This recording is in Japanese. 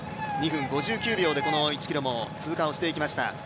２分５９秒でこの１ｋｍも通過をしていきました。